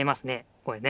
これね。